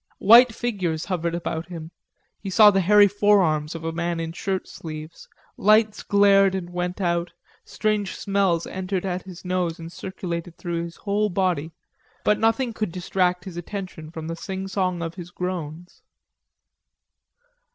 White figures hovered about him, he saw the hairy forearms of a man in shirt sleeves, lights glared and went out, strange smells entered at his nose and circulated through his whole body, but nothing could distract his attention from the singsong of his groans.